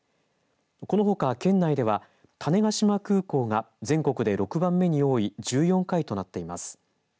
このほか県内では種子島空港が全国で６番目に多い１４回となっています。